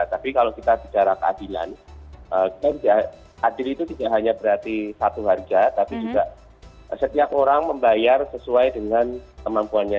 tapi kalau kita bicara keadilan adil itu tidak hanya berarti satu harga tapi juga setiap orang membayar sesuai dengan kemampuannya